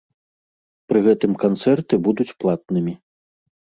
Пры гэтым канцэрты будуць платнымі.